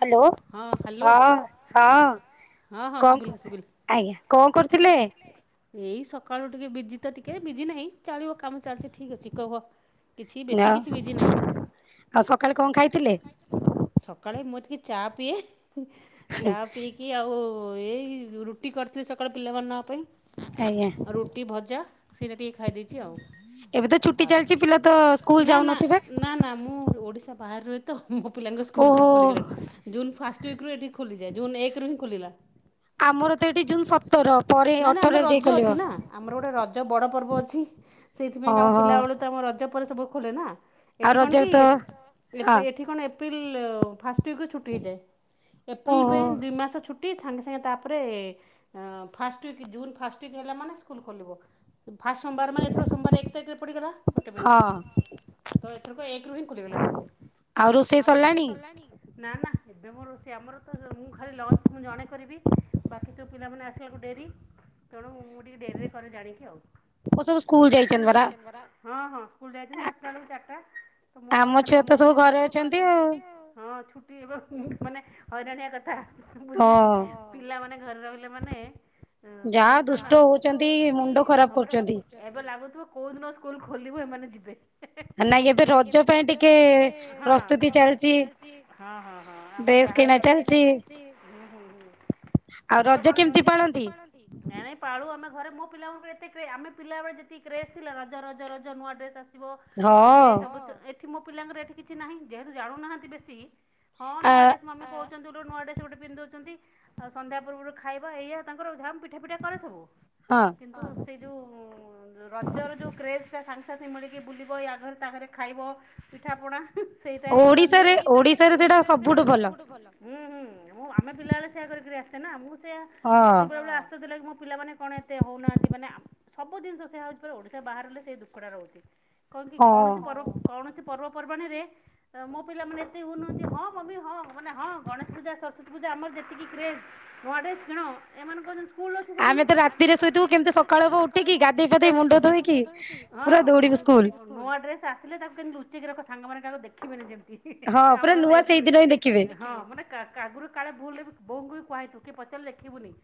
Hello ହଁ ହଁ। କଣ ଆଜ୍ଞା କଣ କରୁଥିଲେ? ଏଇ ସକାଳୁ ଟିକେ ବିଜି ତ ଟିକେ ବିଜି ନାହିଁ ଚଳିବ କାମ ଚାଲିଛି ଠିକ୍ ଅଛି କହ। ଆଉ ଆଉ ସକାଳେ କଣ ଖାଇଥିଲେ? ସକାଳେ ମୁଁ ଟିକେ ଚା ପିଏ ଚା ପିଇକି କି ଆଉ ଏଇ ରୁଟି କରିଥିଲି ସକାଳୁ ପିଲାମାନଙ୍କ ପାଇଁ। ଆଜ୍ଞା। ରୁଟି ଭଜା ସେଇଟା ଟିକେଏ ଖାଇ ଦେଇେଇଛି ଆଉ। ଏବେ ତ ଛୁଟି ଚାଲିଛି ପିଲା ତ ସ୍କୁଲ ଯାଉନଥିବେ। ନା ନା ମୁଁ ଓଡିଶା ବାହାରେ ରୁଏତ ମୋ ପିଲାଙ୍କ ସ୍କୁଲ୍ ସବୁ ଖୋଲିଗଲାଣି ଜୁନ୍ ଫାଷ୍ଟ ୱିକରୁ ଏଠି ଖୋଲିଯାଏ ଜୁନ୍ ଏକ ଖୋଲିଲା। ଆମର ତ ଏଠି ଜୁନ ସତର ପରେ ଅଠରରେ ଯାଇ ଖୋଲିବ। ଆମର ଗୋଟେ ରଜ ବଡ଼ ପର୍ବ ଅଛି ସେଇଥିପାଇଁ ଆମ ପିଲାବେଳୁ ତ ଆମ ରଜ ପରେ ସବୁ ଖୋଲେ ନା। ଏଠି କଣ କି ଏଠି କଣ ଏପ୍ରିଲ ଫାଷ୍ଟ କୁ ରୁ ଛୁଟି ହେଇଯାଏ ଏପ୍ରିଲ ପାଇଁ ଦୁଇ ମାସ ଛୁଟି ସାଙ୍ଗେ ସାଙ୍ଗେ ତାପରେ ଆଁ first week June first week ହେଲା ମାନେ ସ୍କୁଲ ଖୋଲିବ ଫାଷ୍ଟ ସୋମବାର ମାନେ ଏଥର ସୋମବାର ଏକ ତାରିଖରେ ପଡ଼ିଗଲା। ଗୋଟେ ମିଣ୍ଟି ତ ଏଥରକ ଏକରୁୁ ହିଁ ଖୋଲିଗଲା ସ୍କୁଲ୍। ଆଉ ରୋଷେଇ ସରିଲାଣି? ନାଁ ନାଁ ଏବେ ମୋ ରୋଷେଇ ଆମର ତ ମୁଁ ଖାଲି ଲଞ୍ଚ ମୁଁ ଜଣେ କରିବି ବାକି ସବୁ ପିଲାମାନେ ଆସି [unintelligible] ଡେରି ତେଣୁ ମୁଁ ଟିକେ ଡେରିରେ କରେ ଜାଣିକି ଆଉ। ସବୁ ସ୍କୁଲ୍ ଯାଇଛନ୍ତିପରା ହଁ ହଁ ସ୍କୁଲ୍ ଯାଇଛନ୍ତି ଆସିଲା ବେଳକୁ ଚାରିଟା। ତ ମୁଁ ମୋର ଖାଲି ମୋ ଆମ ଛୁଆ ତ ସବୁ ଘରେ ଅଛନ୍ତି ଆଉ ହଁ ଛୁ ମାନେ ହଇରାଣିଆ କଥା ବୁଝିଲି କି ପିଲାମାନୋନେ ଘରେ ରହିଲେ ମାନେ ଯା ଦୁଷ୍ଟ ହଉଚନ୍ତି ମୁଣ୍ଡ ଖରାପ୍ କରୁଛନ୍ତି। ଏବେ ଲାଗୁଥିବ କୋଉ ଦିନ ସ୍କୁଲ୍ ଖୋଲିବ ଏମାନେ ଯିବେ। ନାଇଁ ଏବେ ରଜ ପାଇଁ ଟିକେ ପ୍ରସ୍ତୁତି ଚାଲିଚି। ହଁ ହଁ ହଁ ଆମର ଯାହା ହଉଚି ଆମେ ଡ୍ରେସ୍ କିଣା ଚାଲିଚି ହୁଁ ହୁଁ ହୁଁ। ଆଉ ରଜ କେମିତି ପାଳ ତି ପାଳନ୍ତି ନାଇଁ ନାଇଁ ପାଳୁ ଆମ ଘରେ ମୋ ପିଲାମାନଙ୍କର ଏତ କ୍ରେ ଆମେ ପିଲାବେଳେ ଯେତିକି କ୍ରେସ୍ ଥିଲା ରଜ ରଜ ରଜ ନୂଆ ଡ୍ରେସ୍ ଆସ ବ ଇଏ ସବୁ ଛ ଏଠି ମୋ ପିଲାଙ୍କର ଏଠି କିଛି ନାହିଁ ଯେହେତୁ ଜାଣୁନାହାନ୍ତି ବେଶୀ। ହଁ ନୂଆ ଡ୍ରେସ୍ ମାମି କହୁଛନ୍ତି ଗୋଟେ ନୂଆ ଡ୍ରେସ୍ ଗୋଟେ ପିନ୍ଧ ଦଉଚନ୍ତି ଆ ସଂନ୍ଧ୍ୟା ପୁର୍ବରୁ ଖାଇବା ଏଇଆ। ତାଙ୍କର ଝାମ ପିଠା ଫିଠା କରେ ସବୁ କିନ୍ତୁ [inaudible] ରଜରେ ଯଉ କ୍ରେସ ଟା ସାଙ୍ଗସାଥି ମିଳିକି ବୁଲିବ ୟା ଘରେ ତା ଘରେ ଖାଇବ ପିଠାପଣା। ସେଇଟା ହେଇପାରୁନି ଓଡିଶାରେ ଓଡିଶାରେ ସେଇଟା ସବୁଠୁ ଭଲ। ହୁଁ ହୁଁ ମୁଁ ଆମେ ପିଲାବେଳେ ସେଇଆ କରିକରି ଆସିଚେ ନାଁ ମୁଁ ସେଇଆ ମୋତେ ବେଳେ ବେଳେ ଆ ଆଶ୍ଚର୍ଯ୍ୟ ଲାଗେ ମୋ ପିଲାମାନେମ କଣ ଏତେ ହଉନାହାନ୍ତି ମାନେ ଆମ ସବୁ ଜିନିଷ ସେୟା ହଉଛି ପରା ଓଡିଶା ବାହାରେ ରହିଲେ ସେଇ ଦୁଃଖଟା ରହୁଛି। କଣ କି କୌଣସି ପର୍ବ କୌଣସି ପର୍ବ ପର୍ବାଣିରେ ମୋ ପିଲାମାନେ ଏତେ ହଉନାହାନ୍ତି ହଁ ମମି ହଁ ମନେ ହଁ ଗଣେଶ ପୂଜା ସରସ୍ଵତୀ ପୂଜା ଆମର ଯେତିକି କ୍ରେଜ୍ ନୂଆ ଡ୍ରେସ୍ କିଣ ଏମାନଙ୍କର ଯେ ଆମେ ତ ରାତିରେ ଶୋଇଥିବୁ କେମିତି ସକାଳ ହବ ଉଠିକି ଗାଧେଇ ପାଧେଇ ମୁଣ୍ଡ ଧୋଇକି ପୁରା ଦୌଡ଼ିବୁ ସ୍କୁଲ୍। ନୂଆ ଡ୍ରେସ୍ ଆସିଲେ ତାକୁ କେମିତି ଲୁଚେଇକି ରଖ ସାଙ୍ଗମାନେ କାହାକୁ ଦେଖିବେନି ଯେମିତି। ହଁ ପୁରା ନୂଆଁ ସେଇଦିନ ହିଁ ଦେଖିବେ। ହଁ ମାନେ କା କା ଆଗରୁ କାଳେ ଭୁଲ୍ ରେ ବି ବୋଉଙ୍କୁ ବି କୁହା ହେଇଥବ କିଏ ପଚାରିଲେ ଦେଖିବୁନି।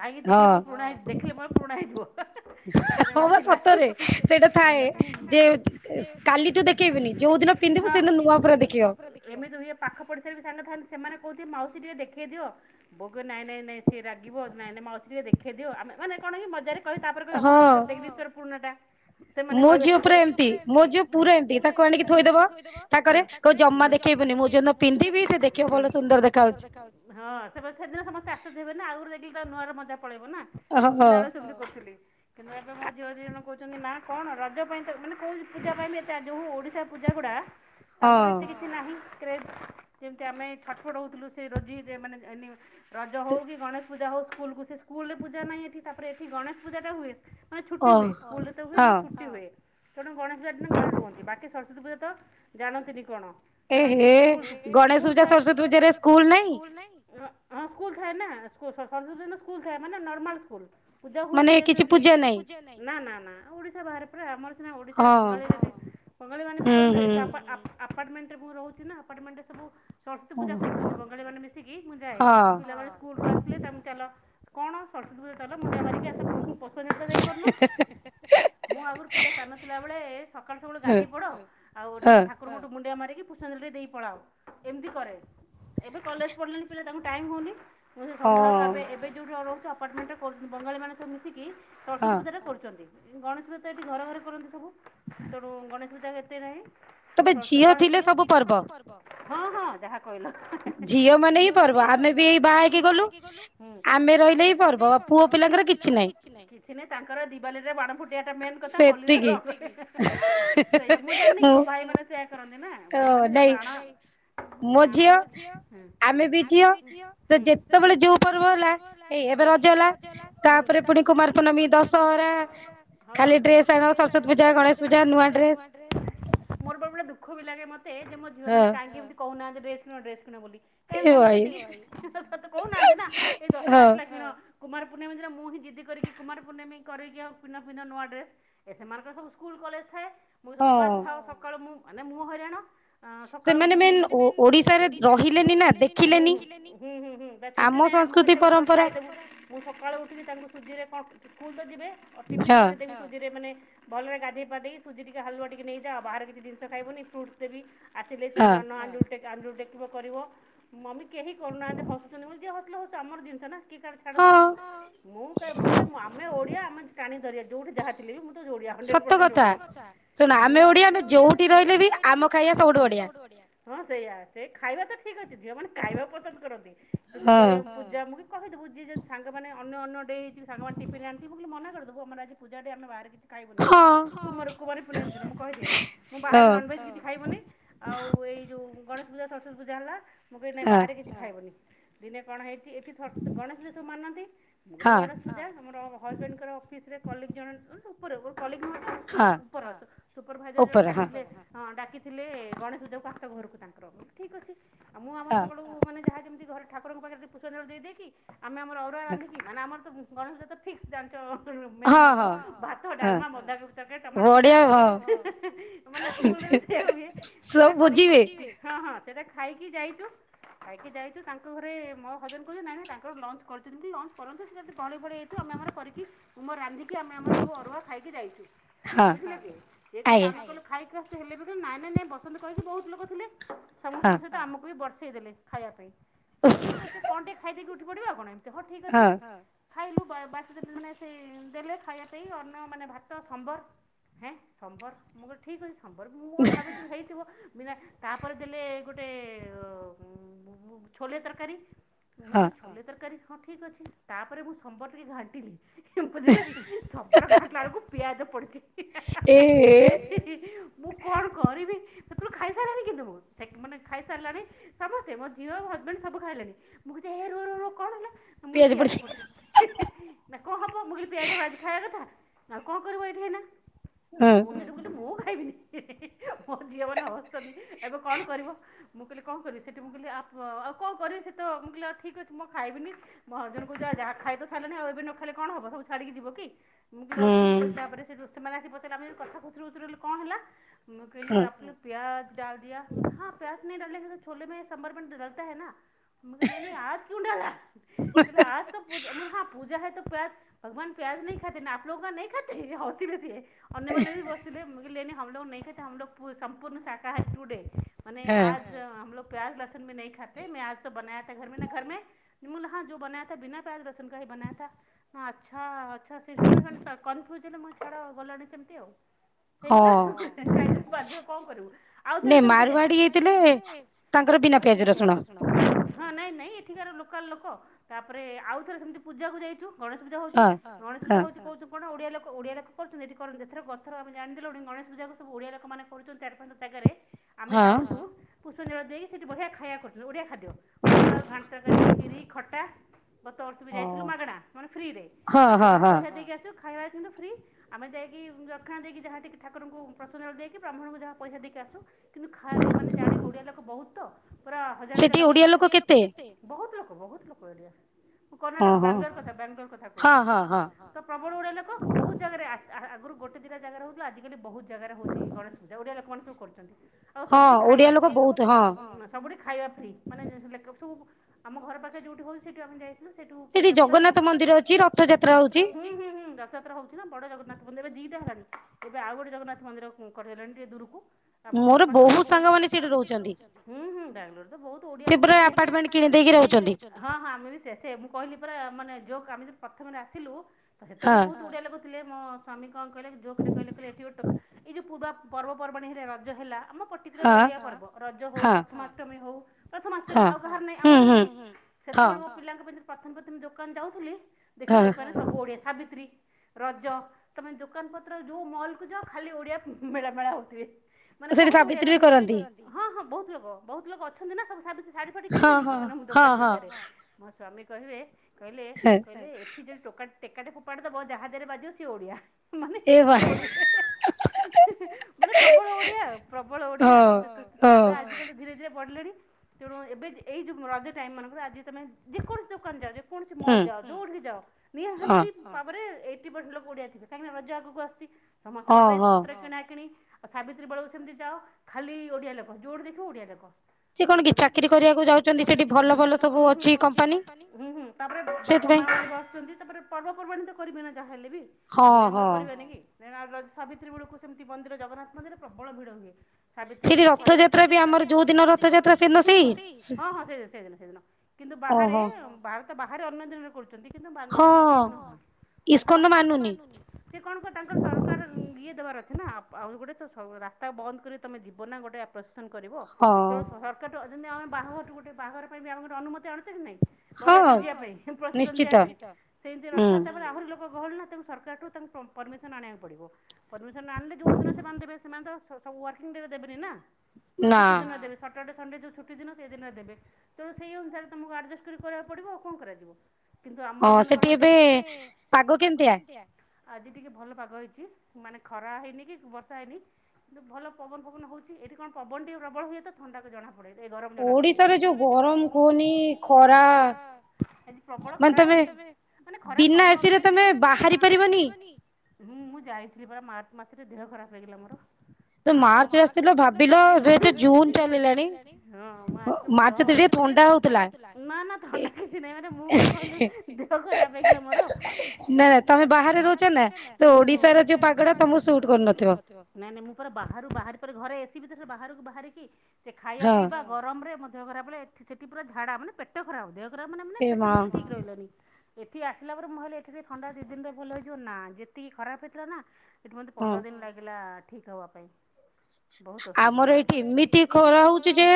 କାହିଁକି ଦେଖିଲେ ମୋର ପୁରୁଣା ଦେଖିଲେ ମୋର ପୁରୁଣା ହେଇଯିବ ସେଇଟା ଗୋଟେ ଥିଲା। ସତରେ ସେଟା ଥାଏ ଯେ କାଲି ଠୁ ଦେଖେଇବୁନି ଯଉଦିନ ପିନ୍ଧିବୁ ସେଇଦିନ ନୂଆଁ ପୁରାଦେ ଏମିତି ହୁଏ ପାଖ ପଡ଼ିିସାରେ ବି ସାଙ୍ଗ ଥାନ୍ତି ସେମାନେ କହୁଥିବେ ମାଉସୀ ଟିକେ ଦେଖେଇ ଦିଅ ବୋଉ କୁହେ ନାଇଁ ନାଇଁ ନାଇଁ ସିଏ ରା ରାଗିବ ନାଇଁ ନାଇଁ ମାଉସୀ ଟିକେ ଦେଖେଇ ଦିଅ ଆମେ ମାନେ କଣ କି ମଜାରେ କହେ ତାପରେ କହିବେ ହଁ ଆମେ ତୋର ଦେଖି ଦେଇଚୁ ତୋର ପୁରୁଣା ଟା। ମୋ ଝିଅ ପୁରା ଏମିତି ମୋ ଝିଅ ପୁରା ଏମିତି ତାକୁ ଆଣିକି ଥୋଇଦବ ଥାକରେ। [unintelligible] ଜମା ଦେଖେଇବୁନି ମୁଁ ଜଉ ଦିନ ପିନ୍ଧିବି ସେ ଦେଖିବ ଭଲ ସୁନ୍ଦର୍ ଦେଖା ଯାଉଛି। ହଁ ସେପା ସେଦିନ ସମସ୍ତେ ଆଶ୍ଚର୍ଯ୍ୟ ହେବେନା ଆଗରୁ ଦେଖିଲେ ତ ନୂଆଁର ମଜା ପଳେଇବ ନାଁ। ମୁଁ ପିଲାବେଳେ ସେମିତି କରୁଥିଲି କିନ୍ତୁ ଏବେ ମୋ ଝିଅ ଦୁଇ ଜଣ କହୁଛନ୍ତି ନା କଣ ରଜ ପାଇଁ ତ ମାନେ କୋଉ ପୂଜା ପାଇଁ ବି ଏତେ ଯୋଉ ଓଡିଶା ପୂଜା ଗୁଡା ତାଙ୍କର ଏତେ କିଛି କି ନାହିଁ କ୍ରେଜ୍ ଯେମିତି ଆମେ ଛଟପଟ ହଉଥିଲୁ ସେ ରୋଜି ରେ ମାନେ ଏନି ରଜ ହଉ କି ଗଣେଶ ପୂଜା ହଉ ସ୍କୁଲକୁୁ ସେ ସ୍କୁଲ୍ ରେ ପୂଜା ନାହିଁ ଏଠି ତାପରେ ଏଠି ଗଣେଶ ପୂଜାଟା ହୁଏ। ହଁ ଛୁଟି ହୁଏ ସ୍କୁଲ ତ ହୁଏ ନାଇଁ ଛୁଟି ହୁଏ। ତେଣୁ ଗଣେଶ ପୂଜା ଦିନ ଘରେ ରୁହନ୍ତି ବାକି ସରସ୍ଵତୀ ପୂଜା ତ ଜାଣନ୍ତିନି କଣ। [unintelligible] ଏହେ ଗଣେଶ ପୂଜା ସରସ୍ୱତୀ ରେ ସ୍କୁଲ ନାହିଁ ହ ସ୍କୁଲ୍ ଥାଏ ନାଁ? ସରସ୍ୱତୀ ଦିନ ସ୍କୁଲ୍ ଥାଏ ମାନେ ନର୍ମାଲ ସ୍କୁଲେ ପୂଜା ହୁଏନି ଯେହେତୁ ଏଠି ମାନେ କିଛି ପୂଜା ନା ନାଇଁ ନା ନା ନା ଓଡିଶା ବାହାରେ ପରା ଆମର ସିନା ଓଡ଼ିଶା ବଙ୍ଗଳି ସେଠି ବଙ୍ଗାଳିମାନେ ବି କରନ୍ତି ଏଠି ଆପ ଆପ ଆପାର୍ଟମେଣ୍ଟରେ ମୁଁ ରହୁଛି ନା ଆପାର୍ଟମେଣ୍ଟରେ ସବୁ ସରସ୍ଵତୀ ପୂଜା କରୁଚନ୍ତି ବଙ୍ଗାଳୀ ମାନେ ମିଶିକି ମୁଁ ଯାଏ ପିଲାମାନେ ସ୍କୁଲ୍ ରୁ ଆସିଲେ ତାଙ୍କୁ ଚାଲ। କଣ [unintelligible] ଚାଲ ମୁଣ୍ଡିଆ ମାରିକି ଆସ ଫୁଣି [unintelligible] ଯଇପାରୁନ। ମୁଁ ଆଗରୁ ପିଲା ସାନସିଲଥିଲାବେଳେ ସକାଳୁ ସବୁବେଳେ ଗାଧୋଇ ପଡ଼ ଆଉ ଟିକେ ଠାକୁର ଙ୍କୁରୁଠୁ ମୁଣ୍ଡିଆ ମାରିକି ଫୁଷ୍ପାନ୍ଜଳି ଦେଇ ପଳାଅ ଏମିତି କରେ। ଏବେ କଲେଜ ପଢିଲେଣି ପିଲା ତାଙ୍କୁ ଟାଇମ ହୋଉନି। ସନ୍ଧ୍ୟାଳୁ ଆବେ ଏବେ ଯେଉଁଠି ରୋହୁଚୁ। ଆପାର୍ଟମେଣ୍ଟରେ ବଙ୍ଗଳୀମାନେ ସବୁ ମିଶିକି ସରସ୍ୱତୀ ପୂଜା କରୁଚନ୍ତି। ଗଣେଶ ପୂଜତା ଏଠି ଘରେ ଘରେ କରନ୍ତି ସବୁ ତେଣୁ ଗଣେଶ ପୂଜା ଏତେ ନାହିଁ। ତବେ ଝିଅ ଥିଲେ ସବୁ ପର୍ବ। ହଁ ହଁ ଯାହା କହିଲ [inaudible] କି ଗଲୁ ଆମେ ରହିଲେ ହି ପର୍ବ ପୁଅ ପିଲାଙ୍କର କି କିଛି ନାଇଁ ତାଙ୍କର ଦିୱାଲିରେ ବାଣ ଫୁଟ ବାଟା ମେନ କଥା ହୋଲିରେ ରଙ୍ଗ ମୁଁ ଜାଣିନି କି ଭାଇ ମାନେ କରନ୍ତି ନା ଭାଇ ମେ ସେ ବାଣ ମୋ ଝିଅ ଆମେ ବି ଝିଅ ତ ଯେତେବେଳେ ଯୋଉ ବେଳେ ଯୋଉ ପର୍ବ ହେଲା ଏବେ ରଜ ହେଲା ତାପରେ ପୁଣି କୁମାର ପୂର୍ଣମୀ ଦଶହରା ଖାଲି ଡ୍ରେସ ଆଣ ସରସ୍ୱତୀ ପୂଜା ଗଣେଶ ପୂଜା ନୂଆ ଡ୍ରେସ ମୋର ବେଳେବେଳେ ଦୁଃଖ ବି ଲାଗେ ମତେ ଯେ ମୋଝିମାନେ କାହିଁକି ଏମତି କୋହୁନାହାନ୍ତି ଡ୍ରେସ କିଣ କିଣ ବୋଲିହି କାହିଁକିନା ତାଙ୍କ ସେତିକି କୋହୁନାହାନ୍ତି ନା ଏଇ ଦଶରା ଆସିଲା ହଁ କୁମାର ପୂର୍ଣ୍ଣିମୀିନ ମୁଁ ହିଁ ଯିଦି କରିକି କୁମାର ପୂର୍ଣ୍ମୀ କରିକ ଆଉ ପିଧ ନୂଆ ଡ୍ରେସ ଏ ସେମାନଙ୍କର ସବୁ ସ୍କୁଲ କଲେଜ ଥାଏ ମୁ ଉପାସ ଥାଉ ସକାଳୁ ମୁଁ ମାନେ ମୁଁ ହଇରାଣ ହଁ ସକାଳୁ ଉଠିକି ସେମାନେ ଓ ଓଡିଶାରେ ରହିଲେନି ନା ହୁଁ ହୁଁ ଦେଖିଲେନି ହୁଁ ହୁଁ ତା ଛୁଟି ମୋ ସଂସ୍କୃତି ପରମ୍ପରା। ମୁଁ ସକାଳୁ ଉଠିକି ତାଙ୍କୁ ସୁଜିରେ କଣ ସ୍କୁଲ ଯିବେ ଟିଫିନ କରିଦେବି ସୁଜିରେ ମାନେ ଭଲରେ ଗାଧେଇପାଧେଇ ସୁଜି ଟିକେ ହାଲୁଆ ଟିକେ ନେଇଯାଅ ବାହାର କିଛି ଜିନିଷ ଖାଇବୁନି ଫ୍ରୁଟ୍ସ ଦେବି। ଆସିଲେ [inaudible] ଆଞ୍ଜୁଳି ଟେକିବ କରିବ ମମି କେହି କରୁନାହାନ୍ତି ହସୁଚନ୍ତି ମୁଁ କିଏ ହସିଲେ ହସୁ ଆମର ଜିନିଷ ନା କିଏ କାହାର ଛାଡ଼ି ଦୋଉଚି କି ମୁଁ କହେ ମୁଁ କହେ ଆମେ ଓଡିଆ ଆମେ ଟାଣି ଧରିବା ଯୋଉଠି ଯାହା ଥିଲେ ବି ମୁଁ ଓଡ଼ିଆ ହଁନଡ୍ରେଟ୍ ପର୍ଶେଣ୍ଟ ଓଡ଼ିଆ ମୁଁ ହୁଁ ଆମେ ଓଡିଆ ଯୋଉଠି ରହିଲେ ବି ଆମ ଖାଇବା ସବୁଠୁ ବଢିଆ। ହଁ ସେଇଆ ସେ ଖାଇବା ତ ଠିକ୍ ଅଛି ଝିଅ ମାନେ ଖାଇବା ପସନ୍ଦ କରନ୍ତି କିନ୍ତୁ କହିବେ ପୂଜା ମୁଁ କ୍ କହିଦବୁ ଯିଏ ଯଦି ସାଙ୍ଗମାନେ ଅନ୍ୟ ଅନ୍ୟ ଡେ ହେକି ସାଙ୍ଗମାନେ ଟିଫନ୍ ଆଣିବୁ ବୋଲି ମନା କରିଦେବୁ ଆମ ଆଜି ପୂଜା ଡେ ଆମେ ବାହାରେ କିଛି ଖାଇବୁନି କୁମାର କୁମାରୀପୂର୍ଣ୍ଣିମ୍ ଦିନ ମୁଁ କହିଦିଏ ମୁଁ ବାହାରେ ନନ୍ ଭଜ୍ କିଛି ଖାଇବୁନି। ଆଉ ଏଇ ଯୋଉ ଗଣେଶ ପୂଜା ସରସ୍ଵତୀ ପୂଜା ହେଲା। ମୁଁ କହିବି ନାଇଁ ବାହାରେ କିଛି ଖାଇବନି। ଦିନେ କଣ ହେଇଚି ଏଠି ଥ ଗଣେଶପୂଜା ସବୁ ମାନନ୍ତି ମୁଁ କହିଲି ଗଣେଶ ପୂଜା ଆମର ହଜବେଣ୍ଡଙ୍କର ଅଫିସ ରେ କଲିକ୍ ଜଣେ ଉପରେ ଏବୁଲ୍ କଲିକ ନୁହେଁ ତ ଉପର ସୁରଭାଇଜର ଜଣେ ଡାକିଲେ ହଁ ଡାକିଥିଲେ ଗଣେଶ ପୂଜାକୁ ଆସ ଘରକୁ ତାଙ୍କର ମୁଁ କହିଲି ଠିକ୍ ଅଛି। ଆଉ ମୁଁ ଆମର ସକାଳୁ ମାନେ ଯାହା ଯେମିତି ଘରେ ଠାକୁରଙ୍କ ପାଖରେ ପୁଷ୍ପାଞ୍ଜଳି ଦେଇ ଦେଇକି ଆମେ ଆମର ଅରୁଆ ରାନ୍ଧିକି ମାନେ ଆମର ତ ଉଁ ଗଣେଶପୂଜା ତ ଫିକ୍ସ ଜାଣିଚ ମେନୁ ଆମର ହଁ ହଁ ଭାତ ଡାଲମା ବନ୍ଧା କୋବି ତରକାରୀ ବଡ଼ିଆ ଟମାଟ ଖଟା। ମାନେ ସ୍କୁଲରେ ବି ସେଆ ହୁଏ। ସେଇଟା କରିକି [inaudible] ହଁ ହଁ ସେଇଟା ଖାଇକି ଯାଇଚୁ ଖାଇକି ଯାଇଚୁ। ତାଙ୍କ ଘରେ ମୋ ହଜବେଣ୍ଡ କୋହୁଚନ୍ତି ନାଇଁ ନାଇଁ ତାଙ୍କର ଲଞ୍ଚ କରିଚନ୍ତି। ମୁଁ କହିଲି ଲଞ୍ଚ କରନ୍ତୁ ସେ ଯଦି ପଳେଇ ଫଳେଇ ଯାଇଥିବ ଆମେ ଆମର କରିକି ମୁଁ ମୋର ରାନ୍ଧିକି ଆମେ ଆମର ସବୁ ଅରୁଆ ଖାଇକି ଯାଇଛୁ ବୁଝିଲେ କି ସିଏ କହିଲେ ଆମେ କହିଲୁ ଖାଇକି ଆସଚୁ ହେଲେ ବି କ୍ଲେ ନାଇଁ ନାଇଁ ନାଇଁ ବସନ୍ତୁ କହିକି ବୋହୁତ ଲୋକ ଥିଲେ ସମସ୍ତଙ୍କ ସହିତ ଆମକୁ ବି ବର୍ଷେଇ ଦେଲେ। ଖାଇବା ପାଇଁ ହଁ ଠିକ ଅଛି କଣ ଟିକେ ଖାଇଦେଇକି ଉଠି ପଡିବା କଣ ଏମିତି ହଁ ଠିକ ଅଛି। ଖାଇଲୁ ବା ବାସି ସେ ମାନେ ଦେଲେ ସେ ଖାଇବା ପାଇଁ ଅର୍ଣ୍ଣ ମାନେ ଭାତ ସମ୍ବର। ହେଁ ସମ୍ବର ମୁଁ କହିଲି ଠିକ ଅଛି ସମ୍ବର ମୁଁ କଣ ଭାବିଛି ହେଇଥିବ ବିନା ତାପରେ ଦେଲେ ଗୋଟେ ଉଁ ଛୋଲେ ତରକାରୀ ମୁଁ କହିଲି ଛୋଲେ ତରକାରୀ ହଁ ଠିକ୍ ଅଛି। ତାପରେ ମୁଁ ସମ୍ବର ଟିକେ ଘାଣ୍ଟିଲି। ବୁଝିଲ କି ସମ୍ବର୍ ଘଣ୍ଟିଲା ବେଳକୁ ପିଆଜ ପଡିଛି ଇ ହିଁ ହା ହା ହା ହିଁ ହିଁ। ମୁଁ କଣ କରିବି ସେଥିରୁ ଖାଇସାରଲାଣି କିନ୍ତୁ ମୁଁ ସେ ମାନେ ଖାଇସାରିଲାଣି। ସମସ୍ତେ ମୋ ଝିଅ ହଜବେଣ୍ଡ ସବୁ ଖାଇଲେଣି ମୁଁ କୋହୁଚି ହେ ରୁହ ରୁହ ରୁହ କଣ ହେଲା ମୁଁ କହିଲି ପିଆଜ ପଡଚି। ହି ହି ନା କଣ ହବ ମୁଁ କହିଲି ପିଆଜ ପା ଆଜି ଖାଇବା କଥା ଆଉ କଣ କରିବ ଏଇଠି ଏଇନା। ମୁଁ ହେଠୁ ମୁଁ କହିଲି ମୁଁ ଖାଇବିନି ହି ହି ହି ମୋ ଝିଅମାନେ ହସୁଚନ୍ତି ଏବେ କଣ କରିବ? ମୁଁ କହିଲି କଣ କରିବି ସେଠି ମୁଁ କହିଲି ଆପ ଅ କଣ କରିବି ସେତ ମୁଁ କହିଲି ଆଉ ଠିକଅଛି ମୁଁ ଆଉ ଖାଇବିନି। ମୋ ହଜବେଣ୍ଡ କହୁଚ ଆ ଯାହା ଖାଇତ ସାରଲେଣି ଆଉ ଏବେ ନ ଖାଇଲେ କଣ ସବୁ ଛାଡିକି ଯିବ କି? ମୁଁ କହିଲି ହୋଉ ଠିକି ଅଛି ତାପରେ ସେଠୁ ସେମାନେ ଆସିକି ପଚାରଲେ ଆମେ ଯେମି କଥା ପଚାରୁଉଚୁରୁ ହେଲୁ କଣ ହେଲା ମୁଁ କହିଲି ଆପଲ ପିଆଜ୍ ଡାଲଦିଆ ମୁଁ କହିଲି ହଁ ପ୍ୟାଜ ନେହି ଡାଲେଙ୍ଗେ ତୋ ଛୋଲେମେ ସମ୍ବର ବନ ବ-ବନତେ ହେନା। ମୁଁ କହିଲି ନେଇ ଆଜ କ୍ୟୁ ଡାଲା କହିଲା ଆଜ ତୋ ପୂଜା ମୁଁ କହିଲି ହଁ ପୂଜା ହେ ତୋ ପ୍ୟାଜ୍ ଭଗବାନ୍ ପ୍ୟାଜ୍ ନେଇ ଖାତେ ନା ଆପ ଲୋଗକା ନେଇ ଖାତେ ହସିଲେ ସିଏ। ଅନ୍ୟମାନେ ବି ବସିଥିଲେ ମୁଁ କହିଲି ଏଇନା ହାମଲୋଗ ନେଇ ଖାତେ ହାମଲୋଗ ସମ୍ପୂର୍ଣ୍ଣ ସାକାହାରି ଟୁଡେ। ମାନେ ଆଜ୍ ହମଲୋଗ ପ୍ୟାଜ୍ ଲସନ୍ ବି ନେଇ ଖାତେ ମେ ଆଜ ତୋ ବନାୟାଥା ଘରମେ ନା ଘରମେ ନି ମୁଁ କହିଲି ହଁ ଯୋଉ ବନେଆଥା ବିନା ପ୍ୟାଜ୍ ଲସୁନ୍ କା ହି ବନାୟଥା। ହଁ ଆଚ୍ଛା ଆଚ୍ଛା ସିଏ ସେଠୁ ସେମ ସ କନଫ୍ୟୁଜ୍ ହେଲେ ମୁଁ ଛାଡ଼ ଗଲାଣି ସେମିତି ଆଉ। ହେଇଗଲା ଖାଇଦୋବୁ ବାଧ୍ୟ କଣ କରିବୁ ଆଉ ଥରେ ସେମତି ଯେ ତାଙ୍କର ବିନା ପିଆଜ ରସୁଣ। ଶୁଣ ହଁ ନାଇଁ ନାଇଁ ଏଠିକାର ଲୋକାଲ ଲୋକ ତାପରେ ଆଉ ଥରେ ସେମିତି ପୂଜାକୁ ଯାଇଚୁ ଗଣେଶ ପୂଜା ହୋଉଚି ଗଣେଶ ପୂଜା ହୋଉଚି କୋହୁଚୁ କଣ ଓଡ଼ିଆ ଲୋକ ଓଡ଼ିଆଲୋକ କରୁଚନ୍ତି ଏଠି କରନ୍ତି ଏଥର ଗତଥର ଆମେ ଜଣିଦେଲୁଣି ଗଣେଶ ପୂଜାକୁ ସବୁ ଓଡ଼ିଆ ଲୋକମାନେ କରୁଚନ୍ତି ଚାରି ପାଞ୍ଚଟା ଜାଗାରେ ଆମେ ଯାଉଚୁ ପୁସୁନି ବାଟେ ଦେଇକି ସେଠି ବଢିଆ ଖାଇବା କରୁଚ ଓଡ଼ିଆ ଖା ଭାତ ଆଉ ଘାଣ୍ଟ ତରକାରୀ, ଖିରି, ଖଟା। ଗତ ବର୍ଷ ବି ଯାଇଥିଲୁ ମାଗଣା ମାନେ ଫ୍ରିରେ ଆମେ ଯାହା ପଇସା ଦେଇକି ଆସିବୁ ଖାଇବା କିନ୍ତୁ ଫ୍ରି। ଆମେ ଯାଇକି ଦକ୍ଷିଣା ଦେଇକି ଯାହା ଟିକେ ଠାକୁରଙ୍କୁ ପ୍ରସନଜଳ ଦେଇକି ବାହ୍ମଣଙ୍କୁ ଯାହା ପଇସା ଦେଇକି ଆସୁ। କିନ୍ତୁ ଖାଇ ମାନେ ଜାଣିକି ଓଡିଆ ଲୋକ ବୋହୁତ ତ ପୁରା ହଜାର ହଜାର ଲୋକ ବୋହୁତ ଲୋକ ବୋହୁତ ଲୋକ ଓଡିଆ। ମୁଁ କର୍ଣ୍ଣାଟକ ବାଙ୍ଗଲୋର କଥା ବ୍ୟାଙ୍ଗଲୋର କଥା କୋହୁଚି। ତ ପ୍ରବଳ ଓଡିଆ ଲୋକ ବୋହୁତ ଜାଗାରେ ଆ-ଆ-ଆଗରୁ ଗୋଟେ ଦିଟା ଜାଗାରେ ହୋଉଥୁଲା ଆଜିକାଲି ବୋହୁତ ଜାଗାରେ ହୋଉଚି ଗଣେଶ ଓଡିଆ ଲୋକମାନେ ସବୁ କରୁଚନ୍ତି ଆଉ ସବୁଠି ଖାଇବା ସବୁଠି ଖାଇବା ଫ୍ରି ମାନେ ହେ ଲେକ ସବୁ ଆମ ଘର ପାଖରେ ଯୋଉଠି ହୋଉଚି ସେଇଠି ଆମେ ଯାଇଥିଲୁ। ସେଠୁ ପଇସା ପତ୍ର ହୁଁ ହୁଁ ହୁଁ ହୁଁ ରଥ ଯାତ୍ରା ହୋଉଚି ନା ବଡ ଜଗନ୍ନାଥ ମନ୍ଦିର ଏବେ ଦିଟା ହେଲାଣି ଏବେ ଆଉ ଗୋଟେ ଜଗନ୍ନାଥ ମନ୍ଦିର କ କରେଇଲେଣି ଟିକେ ଦୂରୁକୁ। ଆମ ଘର ପାଖ ହୁଁ ହୁଁ ବ୍ୟାଙ୍ଗଲୋରରେ ତ ବୋହୁତ୍ ଓଡ଼ିଆ ମୁଁ ସାନସ୍ ହଁ ହଁ ଆମେ ବି ସେୟା ସେ ମୁଁ କହିଲି ପରା ମାନେ ଯୋଉ କ ଆମେ ଯଦି ପ୍ରଥମରେ ଆସିଲୁ ତ ହେତବେଳେ ବି ବୋହୁତୁ ଓଡିଆ ଲୋକ ଥିଲେ ମୋ ସ୍ୱାମୀ କଣ କହିଲେ ଜୋକରେ କହିଲେ ଏଠି ଗୋଟେ ଟୋ ଏଇ ଯୋଉ ପୂର୍ବା ପର୍ବପର୍ବାଣୀ ହେଲା ରଜ ହେଲା ଆମ ପର୍ଟିକୁଲାର ଓଡିଆ ପର୍ବ ରଜ ହୋଉ ପ୍ରଥମାଷ୍ଟମୀ ହୋଉ ପ୍ରଥମାଷ୍ଟମୀ ଆଉ କାହାର ନାହିଁ ଆମର ଅଛି ସେତେବେଳେ ପିଲାଙ୍କ ପାଇଁ ଯଦି ପ୍ରଥମେ ପ୍ରଥମେ ଦୋକାନ ଯାଉଥିଲି ଦେଖିବୁ ଦୋକାନରେ ସବୁ ଓଡ଼ିଆ ସାବିତ୍ରୀ ରଜ ତମେ ଦୋକାନ ପତ୍ର ଯୋଉ ମଲକୁୁ ଯାଅ ଖାଲି ଓଡିଆ ମେଳାମେଳା ହୋଉଥିବେ। ସେଠି ସାବିତ୍ରୀ ବି କରନ୍ତି? ହଁ ହଁ ବୋହୁତ ଲୋକ ବୋହୁତ ଲୋକ ଅଛନ୍ତି ନା ସବୁ ସାବିତ୍ରୀ ଶାଢ଼ୀ ଫାଢୀ କିଣେବେନି କି ମାନେ ମ ଦୋକାନ ବଜାରରେ। ମୋ ସ୍ଵାମୀ କହିବେ କହିଲେ କହିଲେ ଏ ଏଠି ଯଦି ଟୋକା ଟେକାଟେ ଫୋପାଡ଼ି ଦବା ଯାହା ଦେହରେ ବାଜିବ ସିଏ ଓଡିଆ। ମାନେ ଏତେ ଓଡ଼ିଆ ହେ ହେ ହେ। ମାନେ ପ୍ରବଳ ଓଡିଆ ଆଉ ପ୍ରବଳ ଓଡିଆ ଆଉ ତୁ ତୁ ତ ଏବେ ଆଜିକାଲି ଧୀରେଧୀରେ ବଡ଼ିଲେଣି ତେଣୁ ଏବେ ଏଇ ଯୋଉ ରଜ ଟାଇମ୍ ମାନଙ୍କରେ ଆଜି ତମେ ଯେକୌଣସି ଦୋକାନ ଯାଅ ଯେ କୌଣସି ମଲ ଯାଅ ଯୋଉଠିକି ଯାଅ ନିହାତି ପାବରେ ଏଇଟି ପର୍ସେଣ୍ଟେ ଲୋକ ଓଡିଆ ଥିବେ କାହିଁକିନା ରଜ ଆଗକୁ ଆସୁଚି ସମସ୍ତଙ୍କ ଡ୍ରେସପତ୍ର କିଣାକିଣି। ସାବିତ୍ରୀ ବେଳକୁ ସେମିତି ଯାଅ ଖାଲି ଓଡିଆ ଲୋକ ଯୋଉଠି ଦେଖିବୁ ଓଡିଆ ଲୋକ। ସେ କଣକି ଚାକିରି କରିବାକୁ ଯାଉଚନ୍ତି ସେଠି ଭଲଭଲ ସବୁ ଅଛି କମ୍ପାନୀ। ତାପରେ ବାପା ମା [inaudible] ବସୁଛନ୍ତି ତାପରେ ପର୍ବପର୍ବାଣି ତ କରିବେ ନା ଯାହା ହେଲେ ବି ଆମେ ଆମର କରିବାନି କି? କାହିଁକିନା ସାବିତ୍ରୀ ବେଳକୁ ସେମିତି ମନ୍ଦିର ଜଗନ୍ନାଥ ମନ୍ଦିର ପ୍ରବଳ ଭିଡ଼ ହୁଏ। ସେଠି ରଥଯାତ୍ରା ବି ଆମର ଯୋଉ ଦିନ ର ଦିନ ରଥଯାତ୍ରା ସେଇଦିନ ସେହି ହଁ ହଁ ସେ ସେଦିନ ସେଦିନ କିନ୍ତୁ ବାହାରେ ଭାରତ ବାହାରେ ଅନ୍ୟ ଦିନରେ କରୁଛନ୍ତି କିନ୍ତୁ ବାଂଲା ରେ ଆମର ସେଇଦିନ ହୁଏ। ଭାରତ ବାହାରେ ହଁ ଇସ୍କ୍କନ ମାନୁନି। ସିଏ କଣ କରେ ତାଙ୍କର ସରକାର ଇଏ ଦେବାର ଅଛି ନା ଆଉ ଆଉ ଗୋଟେ ତ ସବ୍ ରାସ୍ତା ବନ୍ଦ କରି ତମେ ଯିବ ନା ଗୋଟେ ସନ କରିବ। ହଁ। ସରକାର ଠୁ ଯେମିତି ଆମେ ବାହାଘରୁ ଠୁ ଗୋଟେ ବାହାଘର ପାଇଁ ବି ଆମେ ଗୁଟେ ଅନୁମତି ଆଣୁଛେ କି ନାଇଁ? ବରଯାତ୍ରୀ ଯିବାପାଇଁ ହଁ ପ୍ରସେସନ ଯିବାପାଇଁ ନିଶ୍ଚିତ ସେମିତି ରଥଯାତ୍ରା ବେଳେ ଆହୁରି ଲୋକ୍ ଲୋକ ଗହଳି ନା ତେଣୁ ତାଙ୍କୁ ସରକାର ଠୁ ତାଙ୍କୁ ପର ପରମିସନ ଆଣିବାକୁ ପଡିବ। ପରମିସନ ଆଣିଲେ ଯୋଉ ଦିନ ସେମାନେ ଦେବେ ସେମାନେ ତ ସ ସବୁ ୱାର୍କିଙ୍ଗ ଡେରେ ଦେବେନି ନା ଗୋଟେ ଛୁଟି ଦିନରେ ଦେବେ। ସଟର ଡେ ସନଡେ ଯୋଉଁ ଛୁଟି ଦିନ ସେହିଦିନରେ ଦେବେ। ତେଣୁ ସେଇ ଅନୁସାରେ ତମକୁ ଆଡ଼ଜଷ୍ଟ କରି କରିବାକୁ ପଡିବ ଆଉ କଣ କରାଯିବ। କିନ୍ତୁ ଆମର ମନେକର ହେଠି ଓ ସେଠୀ ଏବେ ପାଗ କେମତିଆ? ଆଜି ଟିକେ ଭଲ ପାଗ ହେଇଛି ମାନେ ଖରା ହେଇନି କି ବର୍ଷା ହେଇନି। କିନ୍ତୁ ଭଲ ପବନ ଫବନ ହଉଛି ଏଠି କଣ ପବନ ଟିକେ ପ୍ରବଳ ହୁଏ ତ ଥଣ୍ଡା କୁ ଜଣା ପଡେ। ଏ ଗରମ ଜଣାପଡେନି। ଓଡିଶାରେ ଯୋଉ ଗରମ କୁହନି ଖରା ଆଜି ପ୍ରବଳ ଖରା ହେଇଚି? ମାନେ ଖରାପ୍ରବଳ ବିନା ଏସିରେ ତମେ ବାହାରି ପାରିବନି। ହୁଁ, ମୁଁ ଯାଇଥିଲି ପରା ମାର୍ଚ୍ଚ ମାସରେ, ଦେହ ଖରାପ ହେଇଗଲା ମୋର। ତ ମାର୍ଚ୍ଚରେ ଆସିଥିଲ, ଭାବିଲ ଏବେ ଏତେ ଜୁନ ଚାଲିଲାଣି। ମାର୍ଚ୍ଚ ରେ ମୋ ଦେହ ଦେହ ମାର୍ଚ୍ଚ ରେ ଟିକେ ଥଣ୍ଡା ହଇଥିଲା ନା ନା ଥଣ୍ଡା କିଛି ନାଇଁ ମାନେ ମୁଁ ପରା କହିଲି ଦେହ ଖରାପ ହେଇଗଲା ମୋର, ନାଇ ନାଇ ତମେ ବାହାରେ ରହୁଛ ନା। ଯୋଉ ପାଗଟା ତମକୁ ସୁଟ୍ କରୁନଥିବ। ନାଇଁ ନାଇଁ ମୁଁ ପୁରା ବାହାରୁ ବାହାର ପରେ ଘରେ ଏସିଭିତରୁ ସେ ବାହାରକୁ ବାହାରେକି ସେ ଖାଇବା ପିଇବା ଗରମରେ ମ ଖରାପରେ ଏଠି ସେଠି ପୁରା ଝାଡା ମାନେ ପେଟ ଖରାପ ଦେହ ପୁରା ମାନେ ମାନେ ପେଟ ଫେଟ ଠିକ ରହିଲାନି। ଏଠି ଆସିଲା ପରେ ମୁଁ ଭାବିଲି ଏଠିକି ଥଣ୍ଡା ଦି ଦିନରେ ଭଲ ହେଇଯିବ ନା ଯେତିକି ଖରାପ ହେଇଥିଲା ନା ସେଠି ମୋତେ ପନ୍ଦର ଦିନ ଲାଗିଲା, ଠିକ୍ ହବା ପାଇଁ। ବହୁତ ଅସୁବିଧା ହେ କରା ହଉଛି ଯେ,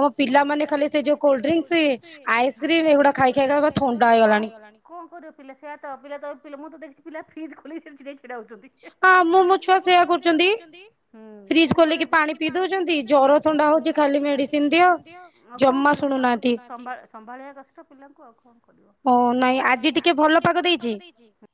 ଆମ ପିଲାମାନେ ଖାଲି ସେ ଯୋଉ କୋଲଡ୍ରିଙ୍କସ, ଆଇସ୍କ୍ରିମ ଏଇଗୁଡା ଖାଇ ଖାଇକା ପୁରା ଥଣ୍ଡା ହେଇଗଲାଣି କଣ କରିବ ପିଲା, ସେଇଆତ ପିଲା ତ ପିଲା ମୁଁ ତ ଦେଖିଛି ପିଲା ଫ୍ରିଜ୍ ଖୋଲି ସେଥିରେ ଛିଡା ହଉଛନ୍ତି, ହେ ହେ ମୁଁ ମୋ ଛୁଆ ସେୟା କରୁଛନ୍ତି। ନେଇକି ପାଣି ପିଇ ଦଉଛନ୍ତି ଜ୍ୱର ଥଣ୍ଡା ହଉଚି ଖାଉଚି କହୁଛି ଖାଲି ମେଡିସିନ ଦିଅ, ଆଉ କଣ କରିବ ଶ ସମ୍ଭାଳିିବା କଷ୍ଟ ପିଲାଙ୍କୁ ଆଉ କଣ ଓହ ନାଇଁ ଆଜି ଟିକେ ଭଲ ପାଗ ଦେଇଛି। [inaudible]